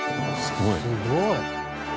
すごい！